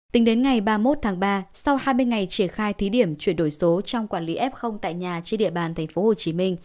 tính đến ngày ba mươi một tháng ba sau hai mươi ngày triển khai thí điểm chuyển đổi số trong quản lý f tại nhà trên địa bàn tp hcm